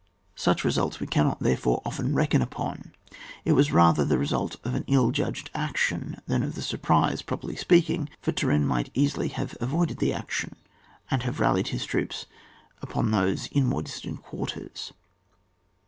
Such results we cannot, therefore, often reckon upon ; it was rather the result of an. ill judged action than of the surprise, properly speaking, for Turenne might easily have avoided the action, and have rallied his troops upon those in more distant quarters.